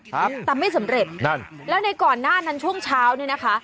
ครับแต่ไม่สำเร็จนั่นแล้วในก่อนหน้านั้นช่วงเช้าเนี่ยนะคะ